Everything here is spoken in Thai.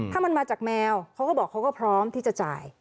ถ้ามันมาจากแมวเขาก็บอกเขาก็พร้อมที่จะจ่าย